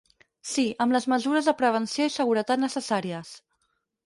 Sí, amb les mesures de prevenció i seguretat necessàries.